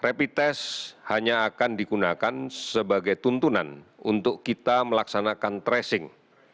rapid test hanya akan digunakan sebagai tuntunan untuk kita melaksanakan tracing